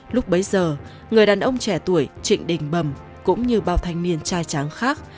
lúc bấy giờ người đàn ông trẻ tuổi trịnh đình bầm cũng như bao thanh niên trai tráng khác